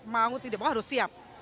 mau tidak mau harus siap